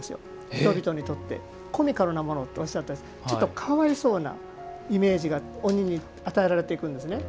人々にとってコミカルなものって茂山さん、おっしゃったけどちょっとかわいそうなイメージが鬼に与えられていくんです。